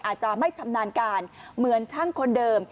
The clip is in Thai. อาจจะไม่ชำนาญการเหมือนช่างคนเดิม